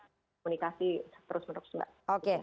komunikasi terus menurut mbak